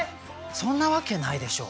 そんなわけないでしょう？